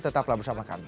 tetaplah bersama kami